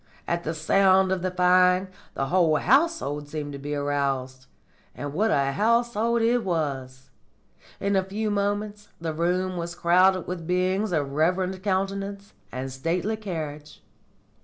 "At the sound of the firing the whole household seemed to be aroused. And what a household it was! In a few moments the room was crowded with beings of reverend countenance and stately carriage.